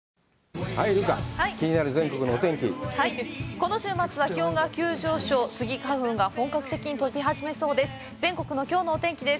この週末は気温が急上昇、スギ花粉が本格的に飛び始めそうです。